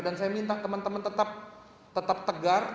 dan saya minta teman teman tetap tegar